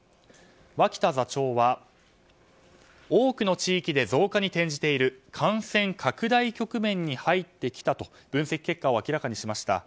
脇田座長は多くの地域で増加に転じている感染拡大局面に入ってきたと分析結果を明らかにしました。